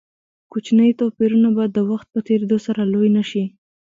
کوچني توپیرونه به د وخت په تېرېدو سره لوی نه شي.